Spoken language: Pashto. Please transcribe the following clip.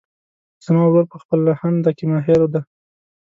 زما ورور په خپلهدنده کې ماهر ده